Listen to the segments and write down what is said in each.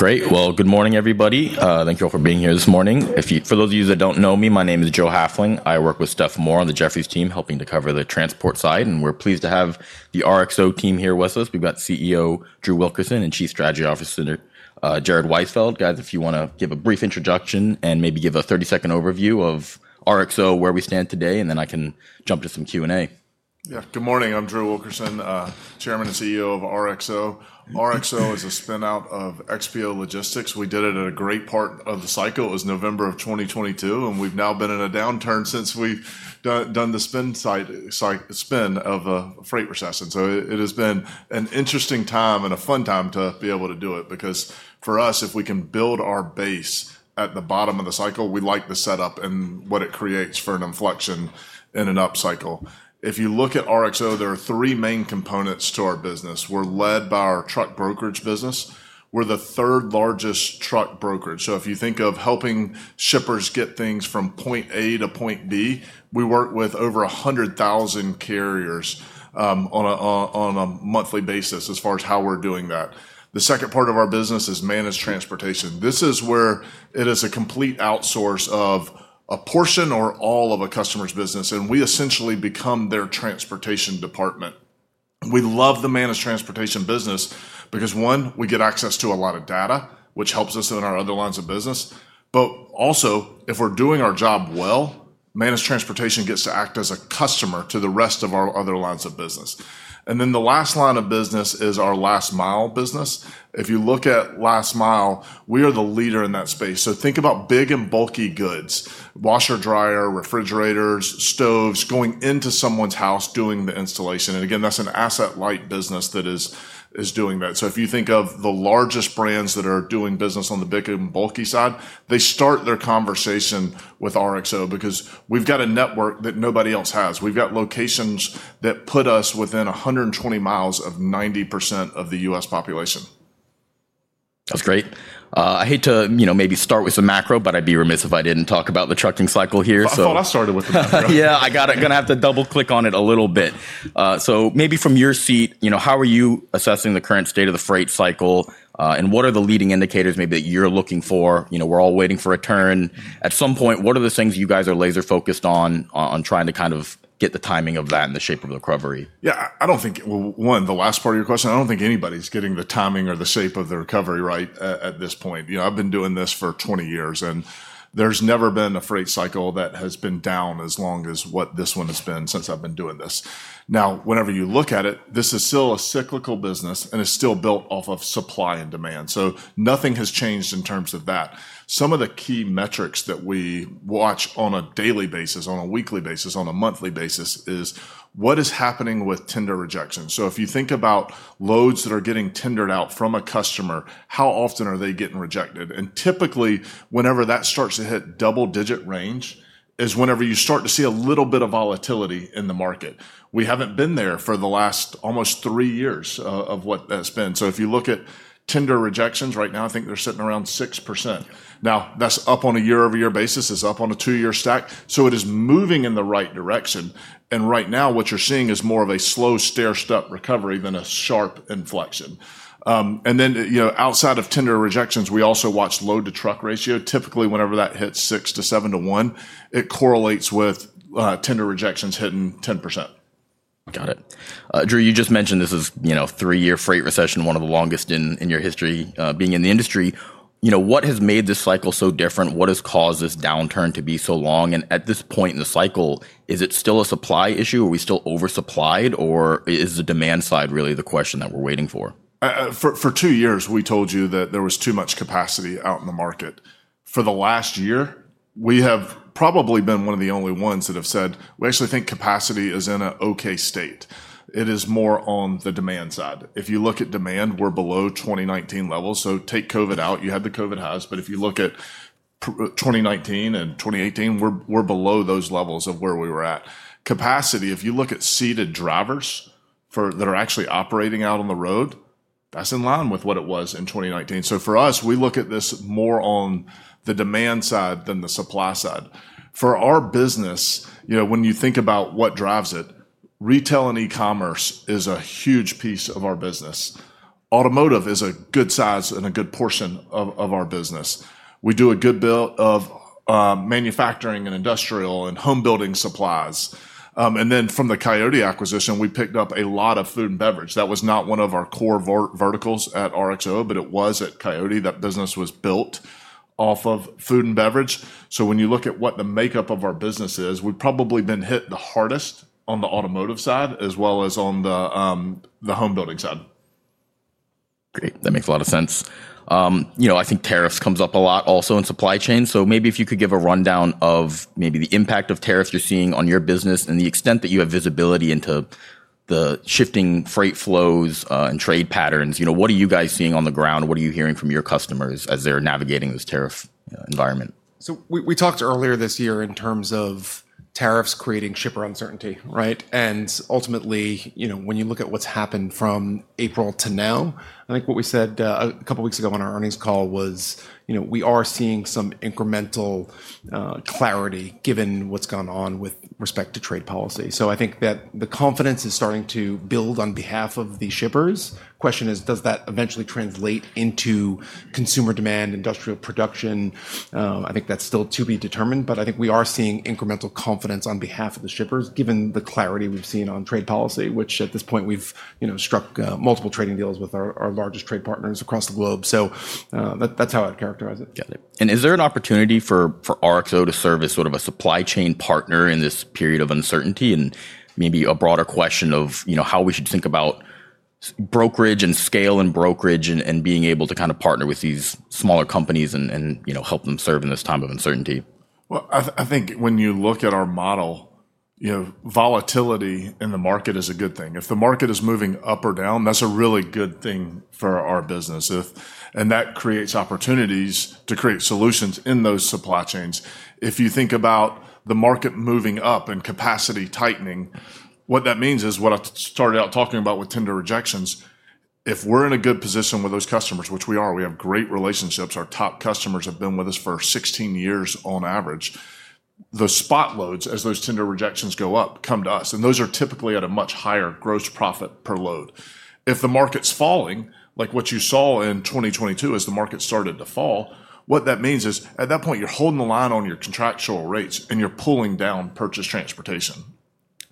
Great. Well, good morning, everybody. Thank you all for being here this morning. If you, for those of you that don't know me, my name is Joe Haefele. I work with Steph Moore on the Jefferies team, helping to cover the transport side, and we're pleased to have the RXO team here with us. We've got CEO Drew Wilkerson and Chief Strategy Officer, Jared Weisfeld. Guys, if you wanna give a brief introduction and maybe give a thirty-second overview of RXO, where we stand today, and then I can jump to some Q&A. Yeah. Good morning. I'm Drew Wilkerson, Chairman and CEO of RXO. RXO is a spin-out of XPO Logistics. We did it at a great part of the cycle. It was November of 2022, and we've now been in a downturn since we've done the spin-off of a freight recession. So it, it has been an interesting time and a fun time to be able to do it, because for us, if we can build our base at the bottom of the cycle, we like the setup and what it creates for an inflection in an upcycle. If you look at RXO, there are three main components to our business. We're led by our truck brokerage business. We're the third largest truck brokerage, so if you think of helping shippers get things from point A to point B, we work with over a hundred thousand carriers, on a monthly basis, as far as how we're doing that. The second part of our business is managed transportation. This is where it is a complete outsource of a portion or all of a customer's business, and we essentially become their transportation department. We love the managed transportation business because, one, we get access to a lot of data, which helps us in our other lines of business, but also, if we're doing our job well, managed transportation gets to act as a customer to the rest of our other lines of business, and then the last line of business is our last mile business. If you look at last mile, we are the leader in that space. So think about big and bulky goods, washer, dryer, refrigerators, stoves, going into someone's house, doing the installation, and again, that's an asset-light business that is doing that. So if you think of the largest brands that are doing business on the big and bulky side, they start their conversation with RXO because we've got a network that nobody else has. We've got locations that put us within a hundred and twenty miles of 90% of the U.S. population. That's great. I hate to, you know, maybe start with some macro, but I'd be remiss if I didn't talk about the trucking cycle here, so- I thought I started with the macro. Yeah, I'm gonna have to double-click on it a little bit. So maybe from your seat, you know, how are you assessing the current state of the freight cycle, and what are the leading indicators maybe that you're looking for? You know, we're all waiting for a turn. At some point, what are the things you guys are laser-focused on trying to kind of get the timing of that and the shape of the recovery? Yeah, I don't think, well, one, the last part of your question, I don't think anybody's getting the timing or the shape of the recovery right at this point. You know, I've been doing this for 20 years, and there's never been a freight cycle that has been down as long as what this one has been since I've been doing this. Now, whenever you look at it, this is still a cyclical business, and it's still built off of supply and demand, so nothing has changed in terms of that. Some of the key metrics that we watch on a daily basis, on a weekly basis, on a monthly basis, is what is happening with tender rejections? So if you think about loads that are getting tendered out from a customer, how often are they getting rejected? And typically, whenever that starts to hit double-digit range is whenever you start to see a little bit of volatility in the market. We haven't been there for the last almost three years of what that's been. So if you look at tender rejections right now, I think they're sitting around 6%. Now, that's up on a year-over-year basis, it's up on a two-year stack, so it is moving in the right direction, and right now, what you're seeing is more of a slow, stairstep recovery than a sharp inflection. And then, you know, outside of tender rejections, we also watch load-to-truck ratio. Typically, whenever that hits six to seven to one, it correlates with tender rejections hitting 10%. Got it. Drew, you just mentioned this is, you know, a three-year freight recession, one of the longest in your history, being in the industry. You know, what has made this cycle so different? What has caused this downturn to be so long? And at this point in the cycle, is it still a supply issue, are we still oversupplied, or is the demand side really the question that we're waiting for? For two years, we told you that there was too much capacity out in the market. For the last year, we have probably been one of the only ones that have said, "We actually think capacity is in an okay state." It is more on the demand side. If you look at demand, we're below 2019 levels, so take COVID out. You had the COVID highs, but if you look at 2019 and 2018, we're below those levels of where we were at. Capacity, if you look at seated drivers that are actually operating out on the road, that's in line with what it was in 2019. So for us, we look at this more on the demand side than the supply side. For our business, you know, when you think about what drives it, retail and e-commerce is a huge piece of our business. Automotive is a good size and a good portion of our business. We do a good bit of manufacturing and industrial and home-building supplies. And then from the Coyote acquisition, we picked up a lot of food and beverage. That was not one of our core verticals at RXO, but it was at Coyote. That business was built off of food and beverage. So when you look at what the makeup of our business is, we've probably been hit the hardest on the automotive side, as well as on the home building side. Great, that makes a lot of sense. You know, I think tariffs comes up a lot also in supply chain, so maybe if you could give a rundown of maybe the impact of tariffs you're seeing on your business and the extent that you have visibility into the shifting freight flows, and trade patterns. You know, what are you guys seeing on the ground? What are you hearing from your customers as they're navigating this tariff environment? So we talked earlier this year in terms of- Tariffs creating shipper uncertainty, right? And ultimately, you know, when you look at what's happened from April to now, I think what we said a couple weeks ago on our earnings call was, you know, we are seeing some incremental clarity, given what's gone on with respect to trade policy. So I think that the confidence is starting to build on behalf of the shippers. Question is, does that eventually translate into consumer demand, industrial production? I think that's still to be determined, but I think we are seeing incremental confidence on behalf of the shippers, given the clarity we've seen on trade policy, which at this point we've, you know, struck multiple trading deals with our largest trade partners across the globe. So, that, that's how I'd characterize it. Got it. And is there an opportunity for RXO to serve as sort of a supply chain partner in this period of uncertainty? And maybe a broader question of, you know, how we should think about brokerage and scale and being able to kind of partner with these smaller companies and, you know, help them serve in this time of uncertainty? I think when you look at our model, you know, volatility in the market is a good thing. If the market is moving up or down, that's a really good thing for our business if, and that creates opportunities to create solutions in those supply chains. If you think about the market moving up and capacity tightening, what that means is what I started out talking about with tender rejections, if we're in a good position with those customers, which we are, we have great relationships. Our top customers have been with us for sixteen years on average. The spot loads, as those tender rejections go up, come to us, and those are typically at a much higher gross profit per load. If the market's falling, like what you saw in 2022 as the market started to fall, what that means is, at that point, you're holding the line on your contractual rates, and you're pulling down purchase transportation.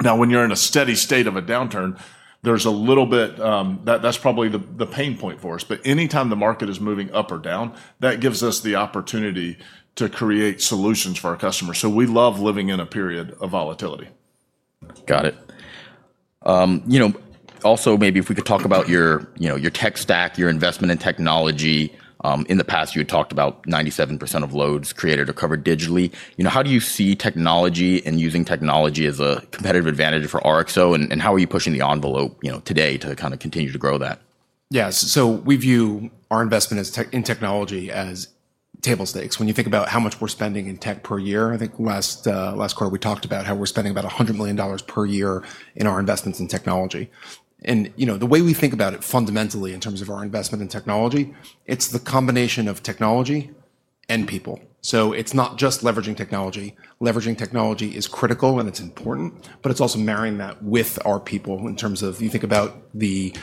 Now, when you're in a steady state of a downturn, there's a little bit. That's probably the pain point for us, but anytime the market is moving up or down, that gives us the opportunity to create solutions for our customers, so we love living in a period of volatility. Got it. You know, also, maybe if we could talk about your, you know, your tech stack, your investment in technology. In the past, you had talked about 97% of loads created or covered digitally. You know, how do you see technology and using technology as a competitive advantage for RXO, and, and how are you pushing the envelope, you know, today to kind of continue to grow that? Yeah, so we view our investment as tech in technology as table stakes. When you think about how much we're spending in tech per year, I think last quarter, we talked about how we're spending about $100 million per year in our investments in technology. And, you know, the way we think about it fundamentally in terms of our investment in technology, it's the combination of technology and people. So it's not just leveraging technology. Leveraging technology is critical, and it's important, but it's also marrying that with our people in terms of. You think about the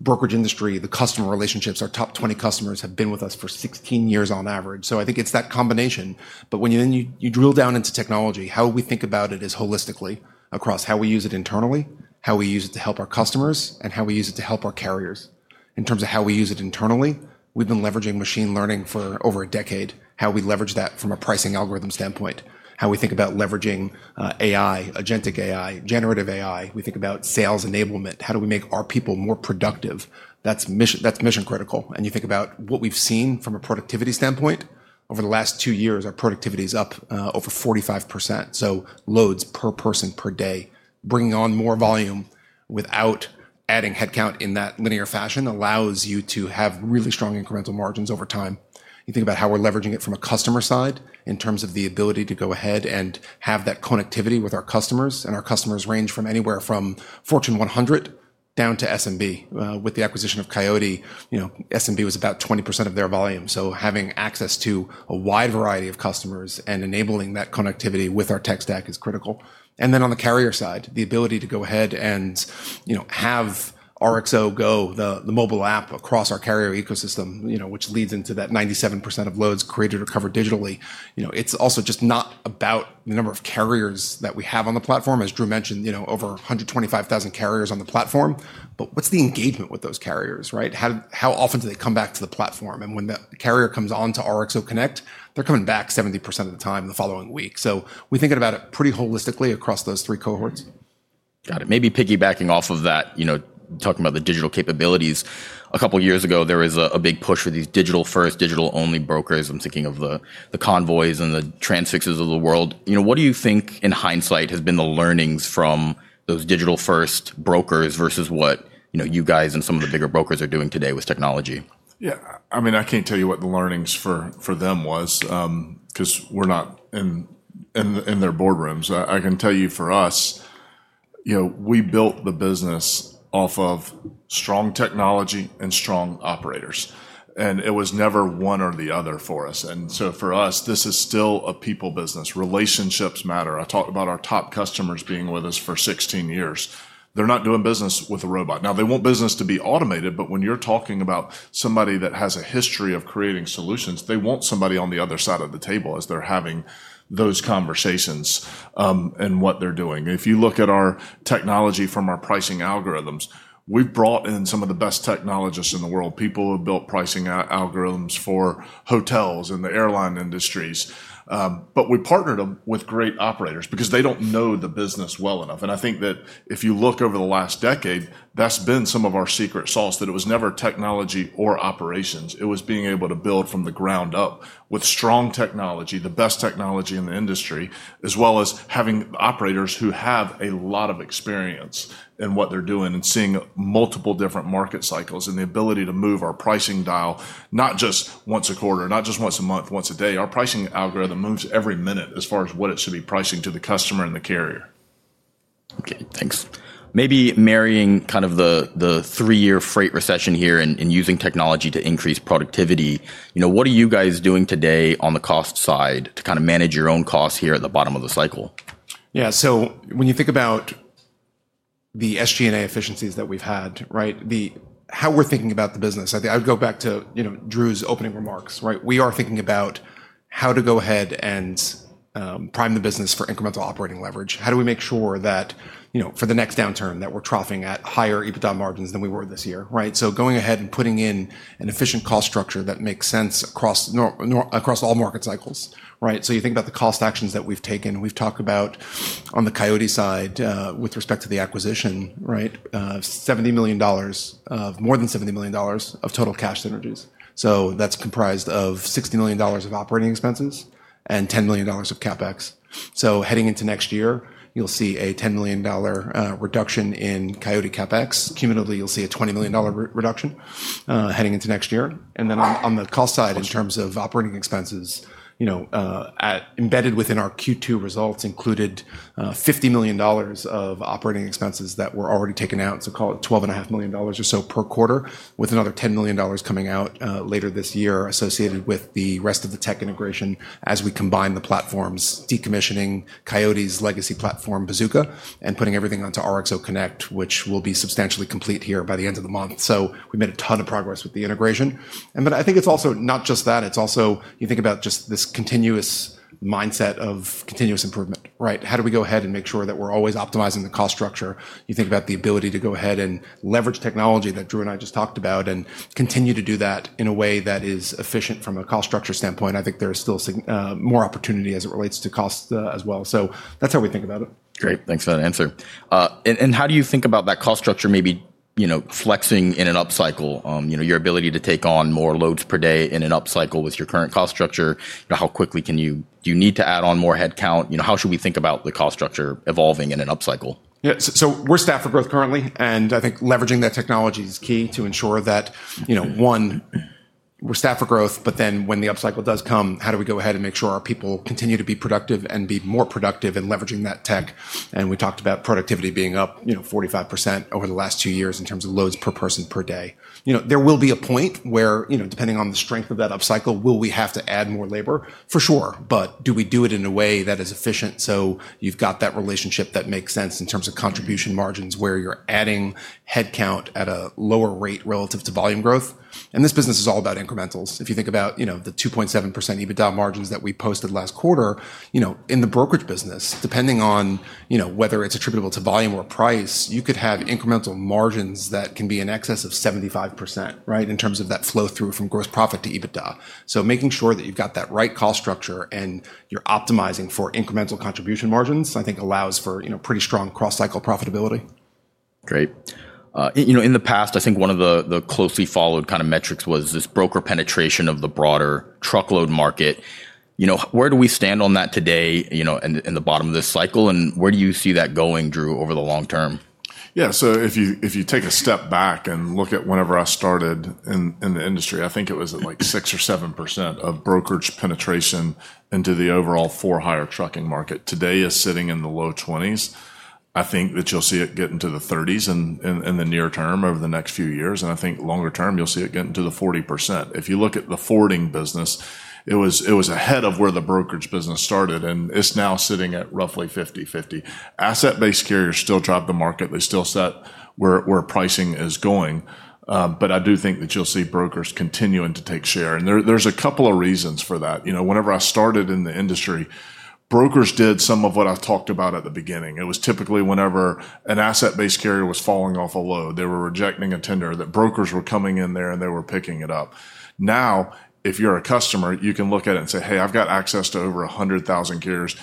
brokerage industry, the customer relationships. Our top 20 customers have been with us for 16 years on average, so I think it's that combination. But when you then you drill down into technology, how we think about it is holistically across how we use it internally, how we use it to help our customers, and how we use it to help our carriers. In terms of how we use it internally, we've been leveraging machine learning for over a decade. How we leverage that from a pricing algorithm standpoint, how we think about leveraging AI, agentic AI, generative AI. We think about sales enablement. How do we make our people more productive? That's mission critical, and you think about what we've seen from a productivity standpoint. Over the last two years, our productivity is up over 45%, so loads per person per day. Bringing on more volume without adding headcount in that linear fashion allows you to have really strong incremental margins over time. You think about how we're leveraging it from a customer side in terms of the ability to go ahead and have that connectivity with our customers, and our customers range from anywhere from Fortune 100 down to SMB. With the acquisition of Coyote, you know, SMB was about 20% of their volume, so having access to a wide variety of customers and enabling that connectivity with our tech stack is critical. And then on the carrier side, the ability to go ahead and, you know, have RXO Go, the mobile app, across our carrier ecosystem, you know, which leads into that 97% of loads created or covered digitally. You know, it's also just not about the number of carriers that we have on the platform. As Drew mentioned, you know, over 125,000 carriers on the platform. What's the engagement with those carriers, right? How often do they come back to the platform? When the carrier comes on to RXO Connect, they're coming back 70% of the time the following week. We're thinking about it pretty holistically across those three cohorts. Got it. Maybe piggybacking off of that, you know, talking about the digital capabilities, a couple of years ago, there was a big push for these digital-first, digital-only brokers. I'm thinking of the Convoy and the Transfix of the world. You know, what do you think in hindsight has been the learnings from those digital-first brokers versus what, you know, you guys and some of the bigger brokers are doing today with technology? Yeah, I mean, I can't tell you what the learnings for them was, 'cause we're not in their boardrooms. I can tell you for us, you know, we built the business off of strong technology and strong operators, and it was never one or the other for us, and so for us, this is still a people business. Relationships matter. I talked about our top customers being with us for sixteen years. They're not doing business with a robot. Now, they want business to be automated, but when you're talking about somebody that has a history of creating solutions, they want somebody on the other side of the table as they're having those conversations, and what they're doing. If you look at our technology from our pricing algorithms, we've brought in some of the best technologists in the world, people who have built pricing algorithms for hotels and the airline industries. But we partnered them with great operators because they don't know the business well enough, and I think that if you look over the last decade, that's been some of our secret sauce, that it was never technology or operations. It was being able to build from the ground up with strong technology, the best technology in the industry, as well as having operators who have a lot of experience in what they're doing and seeing multiple different market cycles and the ability to move our pricing dial, not just once a quarter, not just once a month, once a day. Our pricing algorithm moves every minute as far as what it should be pricing to the customer and the carrier. Okay, thanks. Maybe marrying kind of the three-year freight recession here and using technology to increase productivity, you know, what are you guys doing today on the cost side to kind of manage your own costs here at the bottom of the cycle? Yeah, so when you think about the SG&A efficiencies that we've had, right? How we're thinking about the business, I think I would go back to, you know, Drew's opening remarks, right? We are thinking about how to go ahead and prime the business for incremental operating leverage. How do we make sure that, you know, for the next downturn, that we're troughing at higher EBITDA margins than we were this year, right? So going ahead and putting in an efficient cost structure that makes sense across all market cycles, right? So you think about the cost actions that we've taken. We've talked about on the Coyote side with respect to the acquisition, right? More than $70 million of total cash synergies. So that's comprised of $60 million of operating expenses and $10 million of CapEx. So heading into next year, you'll see a $10 million reduction in Coyote CapEx. Cumulatively, you'll see a $20 million reduction heading into next year. And then on the cost side, in terms of operating expenses, you know, embedded within our Q2 results included $50 million of operating expenses that were already taken out, so call it $12.5 million or so per quarter, with another $10 million coming out later this year, associated with the rest of the tech integration as we combine the platforms, decommissioning Coyote's legacy platform, Bazooka, and putting everything onto RXO Connect, which will be substantially complete here by the end of the month. So we made a ton of progress with the integration. But I think it's also not just that, it's also... You think about just this continuous mindset of continuous improvement, right? How do we go ahead and make sure that we're always optimizing the cost structure? You think about the ability to go ahead and leverage technology that Drew and I just talked about, and continue to do that in a way that is efficient from a cost structure standpoint. I think there is still significant more opportunity as it relates to cost, as well. So that's how we think about it. Great, thanks for that answer. And how do you think about that cost structure, maybe, you know, flexing in an up cycle? You know, your ability to take on more loads per day in an up cycle with your current cost structure, you know, how quickly can you, do you need to add on more headcount? You know, how should we think about the cost structure evolving in an up cycle? Yeah, so we're staffed for growth currently, and I think leveraging that technology is key to ensure that, you know, one, we're staffed for growth, but then when the up cycle does come, how do we go ahead and make sure our people continue to be productive and be more productive in leveraging that tech? And we talked about productivity being up, you know, 45% over the last two years in terms of loads per person per day. You know, there will be a point where, you know, depending on the strength of that up cycle, will we have to add more labor? For sure, but do we do it in a way that is efficient, so you've got that relationship that makes sense in terms of contribution margins, where you're adding headcount at a lower rate relative to volume growth? And this business is all about incrementals. If you think about, you know, the 2.7% EBITDA margins that we posted last quarter, you know, in the brokerage business, depending on, you know, whether it's attributable to volume or price, you could have incremental margins that can be in excess of 75%, right, in terms of that flow-through from gross profit to EBITDA. So making sure that you've got that right cost structure and you're optimizing for incremental contribution margins, I think allows for, you know, pretty strong cross-cycle profitability. Great. You know, in the past, I think one of the closely followed kind of metrics was this broker penetration of the broader truckload market. You know, where do we stand on that today, you know, in the bottom of this cycle, and where do you see that going, Drew, over the long term? Yeah, so if you take a step back and look at whenever I started in the industry, I think it was at like six or seven% of brokerage penetration into the overall for-hire trucking market. Today, it's sitting in the low 20s. I think that you'll see it get into the 30s in the near term, over the next few years, and I think longer term, you'll see it getting to the 40%. If you look at the forwarding business, it was ahead of where the brokerage business started, and it's now sitting at roughly 50-50. Asset-based carriers still drive the market. They still set where pricing is going, but I do think that you'll see brokers continuing to take share, and there's a couple of reasons for that. You know, whenever I started in the industry, brokers did some of what I've talked about at the beginning. It was typically whenever an asset-based carrier was falling off a load, they were rejecting a tender, that brokers were coming in there, and they were picking it up. Now, if you're a customer, you can look at it and say, "Hey, I've got access to over 100,000 carriers."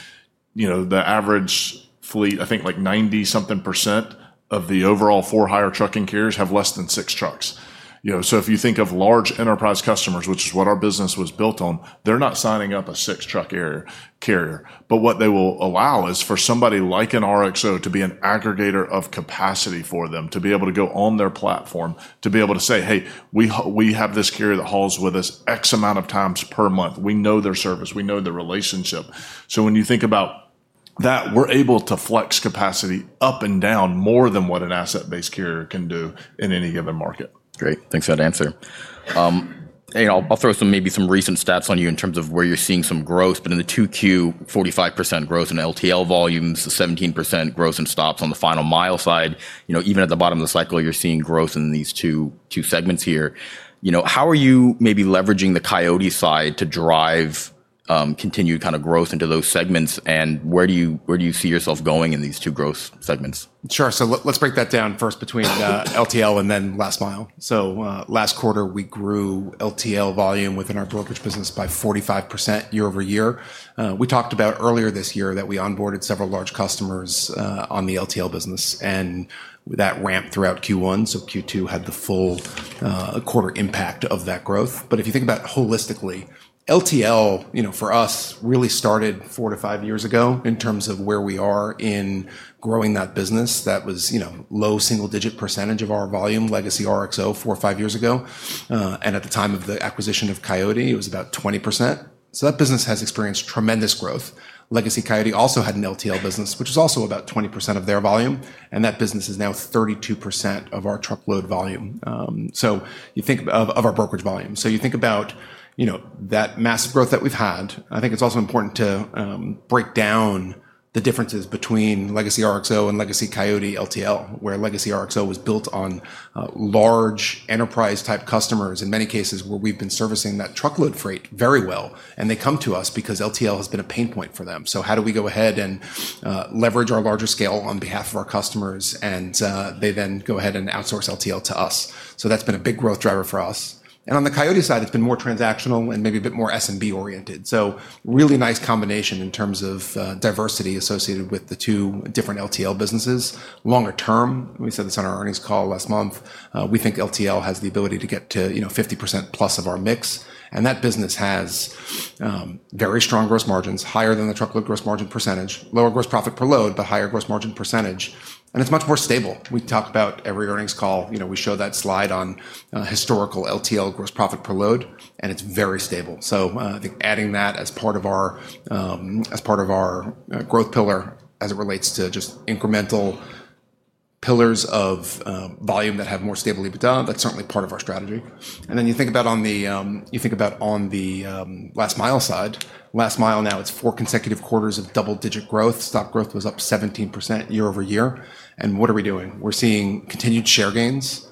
You know, the average fleet, I think like 90-something% of the overall for-hire trucking carriers have less than six trucks. You know, so if you think of large enterprise customers, which is what our business was built on, they're not signing up a six-truck carrier. But what they will allow is for somebody like an RXO to be an aggregator of capacity for them, to be able to go on their platform, to be able to say, "Hey, we have this carrier that hauls with us X amount of times per month. We know their service. We know the relationship." So when you think about that, we're able to flex capacity up and down more than what an asset-based carrier can do in any given market. Great, thanks for that answer. And I'll throw some, maybe some recent stats on you in terms of where you're seeing some growth, but in the 2Q, 45% growth in LTL volumes, 17% growth in stops on the final mile side. You know, even at the bottom of the cycle, you're seeing growth in these two segments here. You know, how are you maybe leveraging the Coyote side to drive continued kind of growth into those segments, and where do you see yourself going in these two growth segments? Sure. So let's break that down first between LTL and then last mile. So, last quarter, we grew LTL volume within our brokerage business by 45% year over year. We talked about earlier this year that we onboarded several large customers on the LTL business, and that ramped throughout Q1, so Q2 had the full quarter impact of that growth. But if you think about it holistically, LTL, you know, for us, really started four to five years ago in terms of where we are in growing that business. That was, you know, low single-digit % of our volume, legacy RXO, four or five years ago. And at the time of the acquisition of Coyote, it was about 20%. So that business has experienced tremendous growth. Legacy Coyote also had an LTL business, which is also about 20% of their volume, and that business is now 32% of our truckload volume. So you think of our brokerage volume. So you think about, you know, that massive growth that we've had. I think it's also important to break down the differences between Legacy RXO and Legacy Coyote LTL, where Legacy RXO was built on large enterprise-type customers, in many cases where we've been servicing that truckload freight very well, and they come to us because LTL has been a pain point for them. So how do we go ahead and leverage our larger scale on behalf of our customers? And they then go ahead and outsource LTL to us. So that's been a big growth driver for us. And on the Coyote side, it's been more transactional and maybe a bit more SMB oriented. So really nice combination in terms of diversity associated with the two different LTL businesses. Longer term, we said this on our earnings call last month. We think LTL has the ability to get to, you know, 50% plus of our mix, and that business has very strong gross margins, higher than the truckload gross margin percentage. Lower gross profit per load, but higher gross margin percentage, and it's much more stable. We talk about every earnings call, you know. We show that slide on historical LTL gross profit per load, and it's very stable. I think adding that as part of our growth pillar as it relates to just incremental pillars of volume that have more stable EBITDA. That's certainly part of our strategy. And then you think about the last mile side. Last mile now, it's four consecutive quarters of double-digit growth. Stop growth was up 17% year over year, and what are we doing? We're seeing continued share gains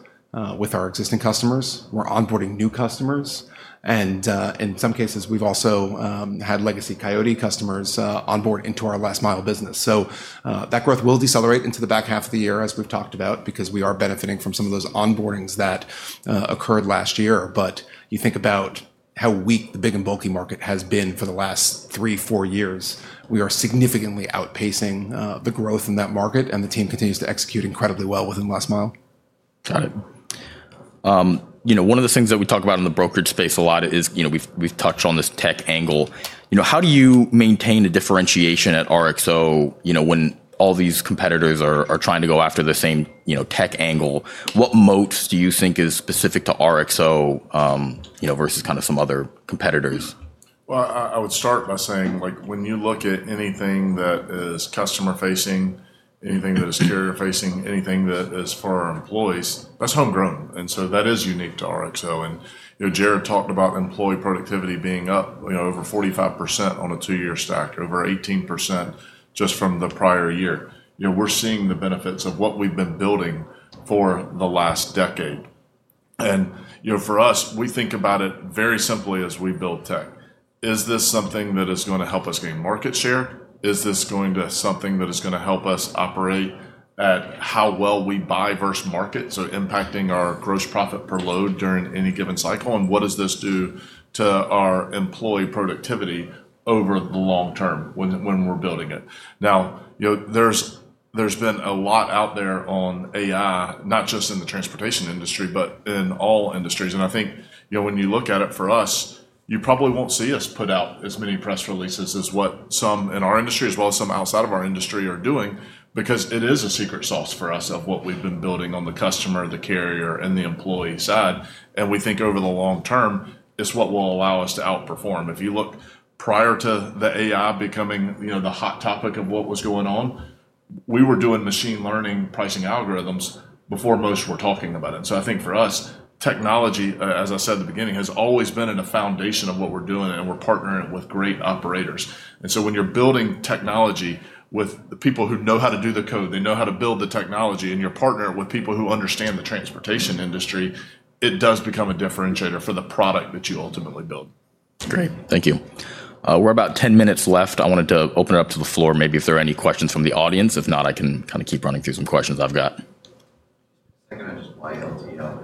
with our existing customers. We're onboarding new customers, and in some cases, we've also had Legacy Coyote customers onboard into our last mile business. So, that growth will decelerate into the back half of the year, as we've talked about, because we are benefiting from some of those onboardings that occurred last year. But you think about how weak the big and bulky market has been for the last three, four years. We are significantly outpacing the growth in that market, and the team continues to execute incredibly well within last mile. Got it. You know, one of the things that we talk about in the brokerage space a lot is, you know, we've touched on this tech angle. You know, how do you maintain a differentiation at RXO, you know, when all these competitors are trying to go after the same, you know, tech angle? What moats do you think is specific to RXO, you know, versus kinda some other competitors? I, I would start by saying, like, when you look at anything that is customer-facing, anything that is carrier-facing, anything that is for our employees, that's homegrown, and so that is unique to RXO. You know, Jared talked about employee productivity being up, you know, over 45% on a two-year stack, over 18% just from the prior year. You know, we're seeing the benefits of what we've been building for the last decade. You know, for us, we think about it very simply as we build tech: Is this something that is gonna help us gain market share? Is this going to something that is gonna help us operate at how well we buy versus market, so impacting our gross profit per load during any given cycle? What does this do to our employee productivity over the long term when we're building it? Now, you know, there's been a lot out there on AI, not just in the transportation industry, but in all industries. And I think, you know, when you look at it for us, you probably won't see us put out as many press releases as what some in our industry, as well as some outside of our industry, are doing, because it is a secret sauce for us of what we've been building on the customer, the carrier, and the employee side, and we think over the long term, it's what will allow us to outperform. If you look prior to the AI becoming, you know, the hot topic of what was going on, we were doing machine learning pricing algorithms before most were talking about it. I think for us, technology, as I said at the beginning, has always been in the foundation of what we're doing, and we're partnering it with great operators. And so when you're building technology with the people who know how to do the code, they know how to build the technology, and you're partnering with people who understand the transportation industry, it does become a differentiator for the product that you ultimately build. Great, thank you. We're about ten minutes left. I wanted to open it up to the floor, maybe if there are any questions from the audience. If not, I can kinda keep running through some questions I've got. Second is why LTL has grown.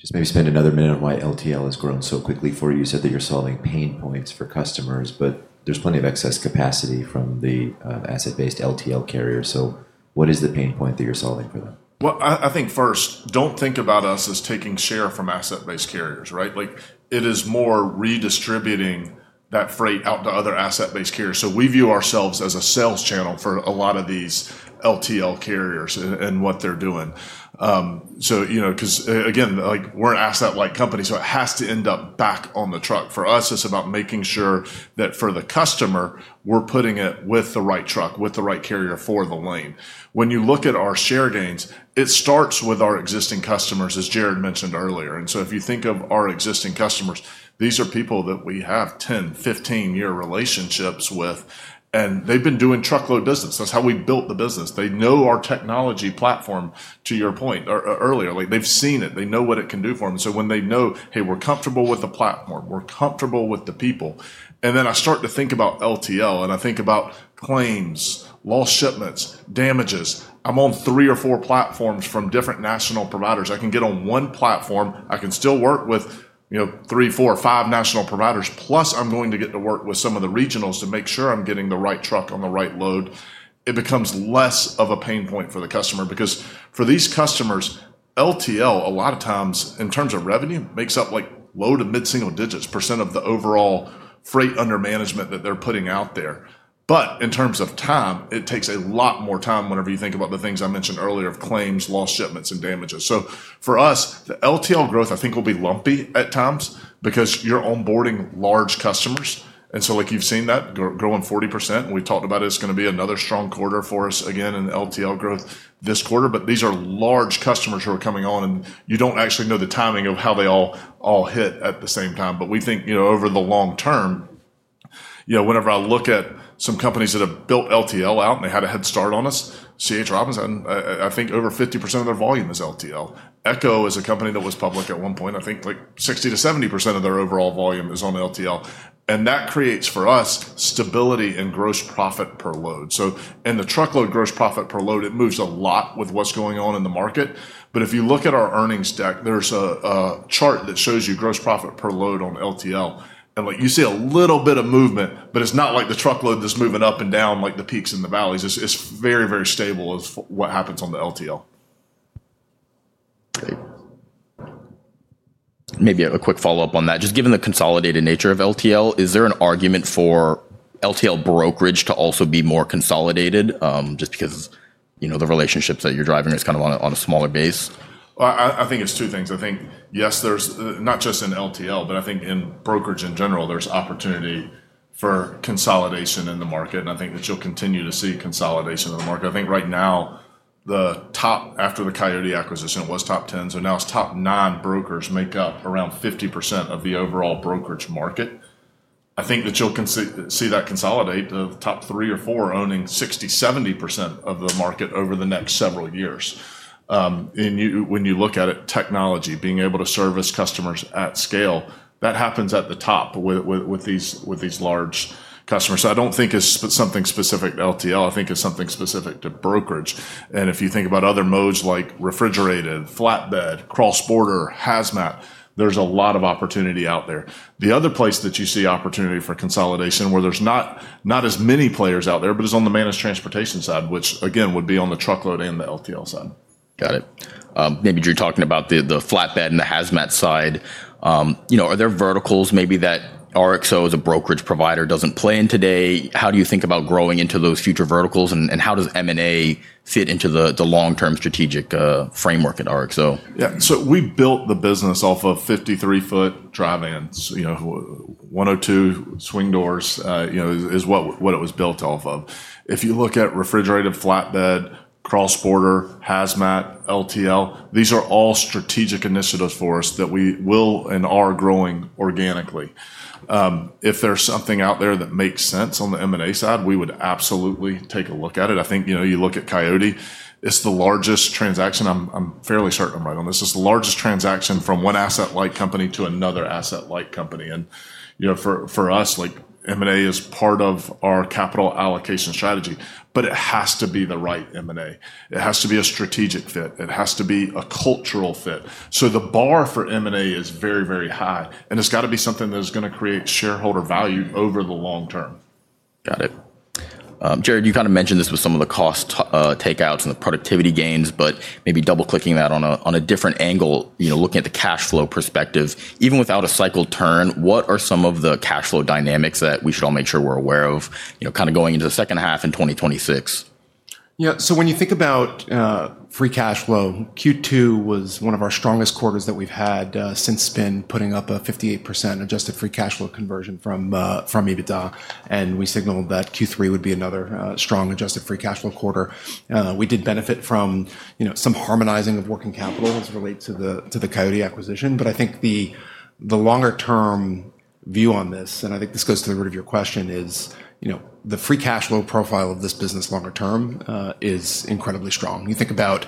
Just maybe spend another minute on why LTL has grown so quickly for you. You said that you're solving pain points for customers, but there's plenty of excess capacity from the asset-based LTL carrier, so what is the pain point that you're solving for them? I think first, don't think about us as taking share from asset-based carriers, right? Like, it is more redistributing that freight out to other asset-based carriers. We view ourselves as a sales channel for a lot of these LTL carriers and what they're doing. You know, 'cause again, like, we're an asset-light company, so it has to end up back on the truck. For us, it's about making sure that for the customer, we're putting it with the right truck, with the right carrier for the lane. When you look at our share gains, it starts with our existing customers, as Jared mentioned earlier. If you think of our existing customers, these are people that we have 10-, 15-year relationships with, and they've been doing truckload business. That's how we built the business. They know our technology platform, to your point, or earlier. Like, they've seen it. They know what it can do for them. So when they know, "Hey, we're comfortable with the platform, we're comfortable with the people," and then I start to think about LTL, and I think about claims, lost shipments, damages. I'm on three or four platforms from different national providers. I can get on one platform. I can still work with, you know, three, four, five national providers, plus I'm going to get to work with some of the regionals to make sure I'm getting the right truck on the right load. It becomes less of a pain point for the customer, because for these customers, LTL, a lot of times, in terms of revenue, makes up, like, low to mid-single digits % of the overall freight under management that they're putting out there. But in terms of time, it takes a lot more time whenever you think about the things I mentioned earlier, of claims, lost shipments, and damages. So for us, the LTL growth, I think, will be lumpy at times, because you're onboarding large customers, and so, like, you've seen that grow, growing 40%. We've talked about it's gonna be another strong quarter for us again in LTL growth this quarter. But these are large customers who are coming on, and you don't actually know the timing of how they all hit at the same time. But we think, you know, over the long term, you know, whenever I look at some companies that have built LTL out, and they had a head start on us, C.H. Robinson, I think over 50% of their volume is LTL. Echo is a company that was public at one point. I think, like, 60%-70% of their overall volume is on LTL, and that creates, for us, stability and gross profit per load. In the truckload gross profit per load, it moves a lot with what's going on in the market, but if you look at our earnings deck, there's a chart that shows you gross profit per load on LTL, and, like, you see a little bit of movement, but it's not like the truckload that's moving up and down, like the peaks and the valleys. It's very, very stable as far as what happens on the LTL. Great. Maybe a quick follow-up on that. Just given the consolidated nature of LTL, is there an argument for LTL brokerage to also be more consolidated? Just because, you know, the relationships that you're driving is kind of on a smaller base. I think it's two things. I think, yes, there's. Not just in LTL, but I think in brokerage in general, there's opportunity for consolidation in the market, and I think that you'll continue to see consolidation in the market. I think right now, the top, after the Coyote acquisition, it was top 10, so now it's top nine brokers make up around 50% of the overall brokerage market. I think that you'll see that consolidate, the top three or four owning 60%, 70% of the market over the next several years. And you, when you look at it, technology, being able to service customers at scale, that happens at the top with these large customers. So I don't think it's something specific to LTL. I think it's something specific to brokerage, and if you think about other modes like refrigerated, flatbed, cross-border, hazmat, there's a lot of opportunity out there. The other place that you see opportunity for consolidation, where there's not as many players out there, but is on the managed transportation side, which, again, would be on the truckload and the LTL side. Got it. Maybe, Drew, talking about the flatbed and the hazmat side, you know, are there verticals maybe that RXO, as a brokerage provider, doesn't play in today? How do you think about growing into those future verticals, and how does M&A fit into the long-term strategic framework at RXO? Yeah. So we built the business off of 53-foot dry vans. You know, one or two swing doors, you know, is what it was built off of. If you look at refrigerated, flatbed, cross-border, hazmat, LTL, these are all strategic initiatives for us that we will and are growing organically. If there's something out there that makes sense on the M&A side, we would absolutely take a look at it. I think, you know, you look at Coyote, it's the largest transaction. I'm fairly certain I'm right on this. It's the largest transaction from one asset-light company to another asset-light company, and, you know, for us, like, M&A is part of our capital allocation strategy, but it has to be the right M&A. It has to be a strategic fit. It has to be a cultural fit. So the bar for M&A is very, very high, and it's got to be something that is gonna create shareholder value over the long term. Got it. Jared, you kind of mentioned this with some of the cost takeouts and the productivity gains, but maybe double-clicking that on a different angle, you know, looking at the cash flow perspective. Even without a cycle turn, what are some of the cash flow dynamics that we should all make sure we're aware of, you know, kind of going into the second half in 2026? Yeah, so when you think about free cash flow, Q2 was one of our strongest quarters that we've had since spin, putting up a 58% adjusted free cash flow conversion from EBITDA, and we signaled that Q3 would be another strong adjusted free cash flow quarter. We did benefit from, you know, some harmonizing of working capital as it relate to the Coyote acquisition, but I think the longer-term view on this, and I think this goes to the root of your question, is, you know, the free cash flow profile of this business longer term is incredibly strong. You think about,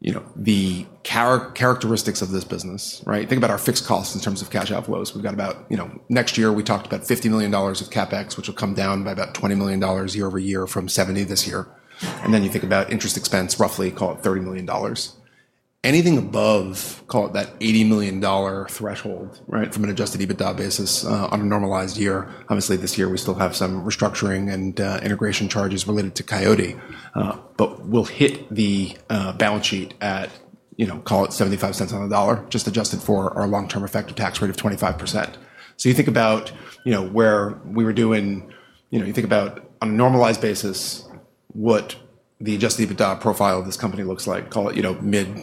you know, the characteristics of this business, right? Think about our fixed costs in terms of cash outflows. We've got about, you know... Next year, we talked about $50 million of CapEx, which will come down by about $20 million year over year from $70 million this year. And then you think about interest expense, roughly, call it, $30 million. Anything above, call it, that $80 million threshold, right, from an adjusted EBITDA basis, on a normalized year, obviously, this year we still have some restructuring and, integration charges related to Coyote, but we'll hit the, balance sheet at, you know, call it, $0.75 on the dollar, just adjusted for our long-term effective tax rate of 25%. So you think about, you know, You know, you think about, on a normalized basis, what the adjusted EBITDA profile of this company looks like, call it, you know, mid,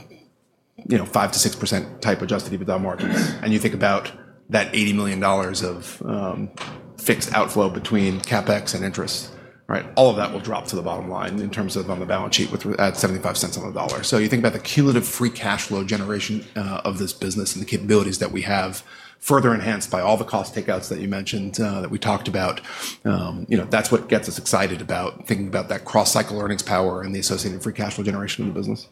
you know, 5-6% type adjusted EBITDA margins, and you think about that $80 million of fixed outflow between CapEx and interest, right? All of that will drop to the bottom line in terms of on the balance sheet with re- at 75 cents on the dollar. So you think about the cumulative free cash flow generation of this business and the capabilities that we have, further enhanced by all the cost takeouts that you mentioned that we talked about, you know, that's what gets us excited about thinking about that cross-cycle earnings power and the associated free cash flow generation of the business.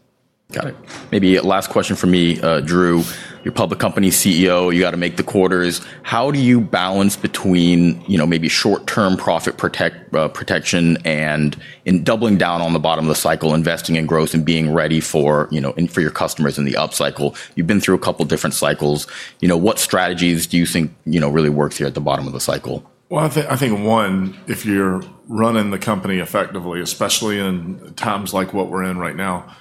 Got it. Maybe last question from me. Drew, you're a public company CEO, you've got to make the quarters. How do you balance between, you know, maybe short-term profit protect, protection, and in doubling down on the bottom of the cycle, investing in growth, and being ready for, you know, and for your customers in the upcycle? You've been through a couple different cycles. You know, what strategies do you think, you know, really work here at the bottom of the cycle? I think if you're running the company effectively, especially in times like what we're in right now,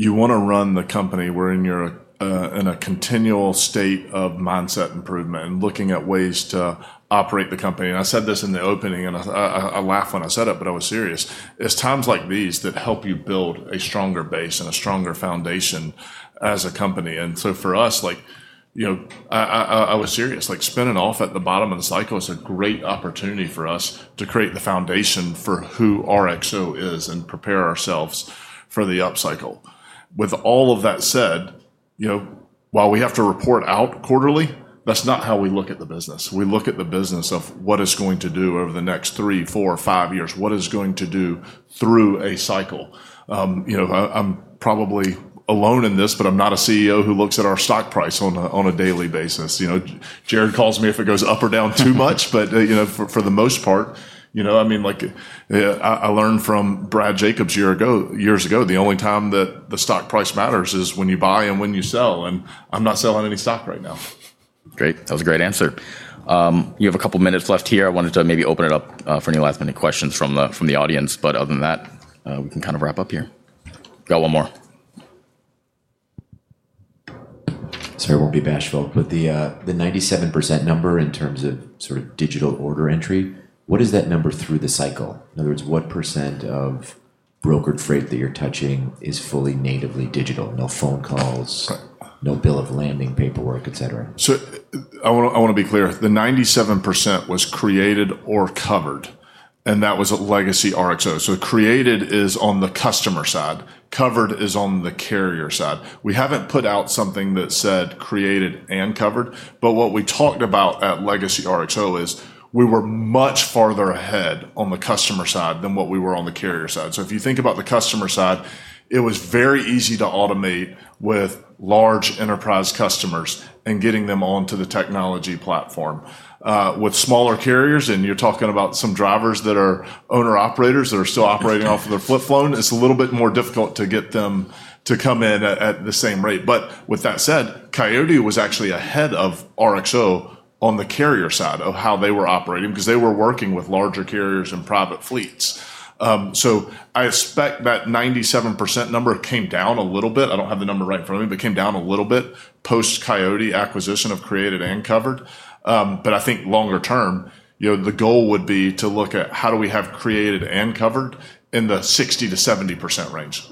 you wanna run the company wherein you're in a continual state of mindset improvement, and looking at ways to operate the company. I said this in the opening, and I laugh when I said it, but I was serious: it's times like these that help you build a stronger base and a stronger foundation as a company. So for us, like, you know, I was serious, like, spinning off at the bottom of the cycle is a great opportunity for us to create the foundation for who RXO is, and prepare ourselves for the upcycle. With all of that said, you know, while we have to report out quarterly, that's not how we look at the business. We look at the business of what it's going to do over the next three, four, five years, what it's going to do through a cycle. You know, I'm probably alone in this, but I'm not a CEO who looks at our stock price on a daily basis. You know, Jared calls me if it goes up or down too much, but you know, for the most part, you know, I mean, like, I learned from Brad Jacobs a year ago-years ago, the only time that the stock price matters is when you buy and when you sell, and I'm not selling any stock right now. Great. That was a great answer. You have a couple minutes left here. I wanted to maybe open it up for any last-minute questions from the audience, but other than that, we can kind of wrap up here. Got one more. Sorry, I won't be bashful, but the 97% number in terms of sort of digital order entry, what is that number through the cycle? In other words, what % of brokered freight that you're touching is fully natively digital? No phone calls- Right. No bill of lading paperwork, et cetera. So, I wanna be clear, the 97% was created or covered, and that was at Legacy RXO, so created is on the customer side, covered is on the carrier side. We haven't put out something that said, "created and covered," but what we talked about at Legacy RXO is, we were much farther ahead on the customer side than what we were on the carrier side, so if you think about the customer side, it was very easy to automate with large enterprise customers and getting them onto the technology platform. With smaller carriers, and you're talking about some drivers that are owner-operators, that are still operating off of their flip phone, it's a little bit more difficult to get them to come in at the same rate. But with that said, Coyote was actually ahead of RXO on the carrier side of how they were operating, 'cause they were working with larger carriers and private fleets. So I expect that 97% number came down a little bit. I don't have the number right in front of me, but it came down a little bit post-Coyote acquisition of created and covered. But I think longer term, you know, the goal would be to look at how do we have created and covered in the 60%-70% range?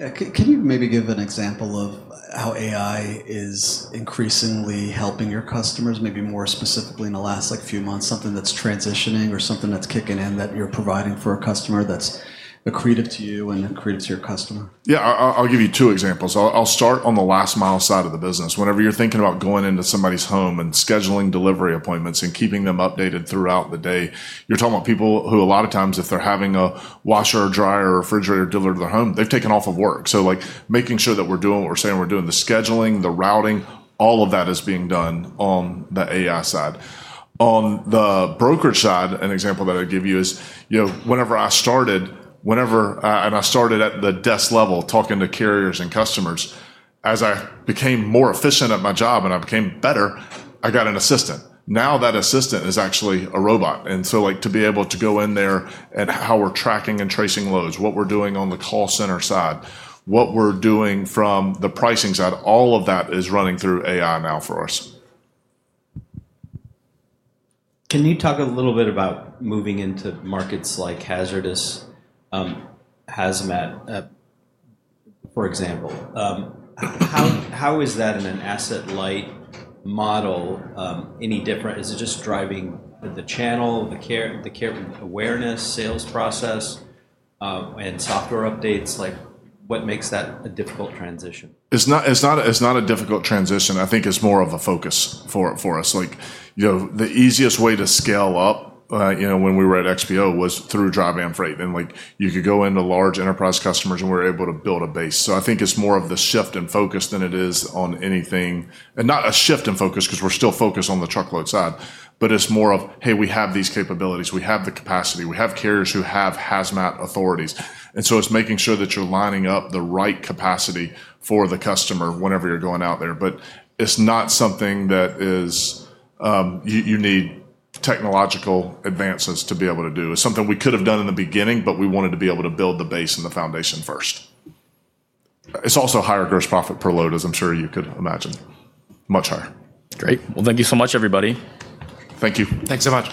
Yeah. Can you maybe give an example of how AI is increasingly helping your customers, maybe more specifically in the last, like, few months, something that's transitioning or something that's kicking in that you're providing for a customer that's accretive to you and accretive to your customer? Yeah. I'll give you two examples. I'll start on the last mile side of the business. Whenever you're thinking about going into somebody's home and scheduling delivery appointments and keeping them updated throughout the day, you're talking about people who, a lot of times, if they're having a washer or dryer or refrigerator delivered to their home, they've taken off of work. So, like, making sure that we're doing what we're saying we're doing, the scheduling, the routing, all of that is being done on the AI side. On the brokerage side, an example that I'd give you is, you know, whenever I started, and I started at the desk level, talking to carriers and customers. As I became more efficient at my job and I became better, I got an assistant. Now, that assistant is actually a robot, and so, like, to be able to go in there and how we're tracking and tracing loads, what we're doing on the call center side, what we're doing from the pricing side, all of that is running through AI now for us. Can you talk a little bit about moving into markets like hazardous, hazmat, for example? How is that in an asset-light model any different? Is it just driving the channel, the carrier awareness, sales process, and software updates? Like, what makes that a difficult transition? It's not a difficult transition. I think it's more of a focus for us. Like, you know, the easiest way to scale up, you know, when we were at XPO, was through dry van freight, and, like, you could go into large enterprise customers, and we were able to build a base. So I think it's more of the shift in focus than it is on anything. And not a shift in focus, 'cause we're still focused on the truckload side, but it's more of, "Hey, we have these capabilities. We have the capacity. We have carriers who have hazmat authorities." And so it's making sure that you're lining up the right capacity for the customer whenever you're going out there. But it's not something that is, you need technological advances to be able to do. It's something we could have done in the beginning, but we wanted to be able to build the base and the foundation first. It's also higher gross profit per load, as I'm sure you could imagine. Much higher. Great. Well, thank you so much, everybody. Thank you. Thanks so much.